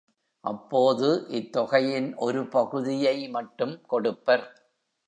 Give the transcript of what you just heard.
அப்போது இத் தொகையின் ஒரு பகுதியை மட்டும் கொடுப்பர்.